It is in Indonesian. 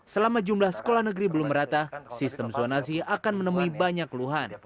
selama jumlah sekolah negeri belum merata sistem zonasi akan menemui banyak keluhan